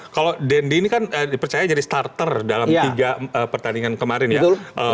kalau dendy ini kan dipercaya jadi starter dalam tiga pertandingan kemarin ya